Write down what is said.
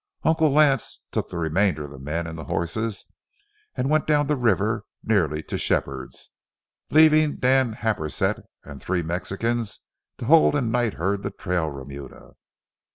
Uncle Lance took the remainder of the men and horses and went down the river nearly to Shepherd's, leaving Dan Happersett and three Mexicans to hold and night herd the trail remuda.